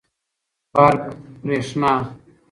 برق √ بريښنا